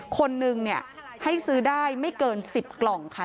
คนนึงให้ซื้อได้ไม่เกิน๑๐กล่องค่ะ